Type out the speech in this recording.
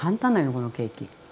このケーキ。